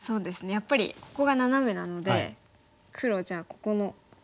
やっぱりここがナナメなので黒じゃあここの弱みをついて。